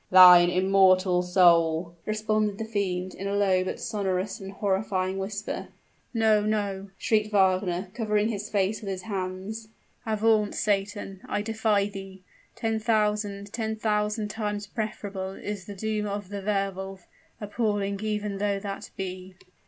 "THINE IMMORTAL SOUL!" responded the fiend, in a low but sonorous and horrifying whisper. "No no!" shrieked Wagner, covering his face with his hands. "Avaunt, Satan, I defy thee! Ten thousand, thousand times preferable is the doom of the Wehr Wolf, appalling even though that be!"